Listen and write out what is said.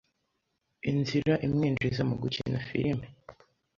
inzira imwinjiza mu gukina firime